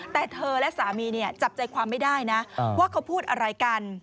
แต่เธอและสามีจับใจความไม่ได้นะว่าเขาพูดอะไรกัน